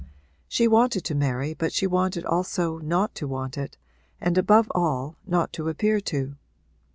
She wanted to marry but she wanted also not to want it and, above all, not to appear to.